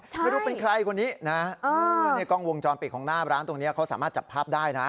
ไม่รู้เป็นใครคนนี้นะนี่กล้องวงจรปิดของหน้าร้านตรงนี้เขาสามารถจับภาพได้นะ